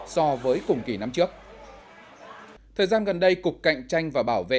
so với cùng kỳ năm trước thời gian gần đây cục cạnh tranh và bảo vệ